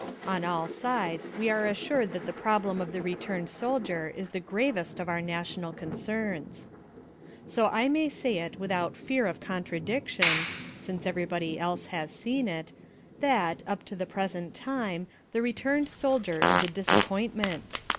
On all sides we are assured that the problem of the returned soldier is the gravest of our national concerns. So I may say it without fear of contradiction, since everybody else has seen it, that, up to the present time, the returned soldier is a disappointment.